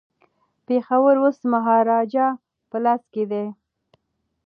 پېښور اوس د مهاراجا په لاس کي دی.